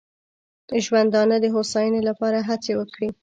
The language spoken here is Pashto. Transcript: ژوندانه د هوساینې لپاره هڅې وکړي.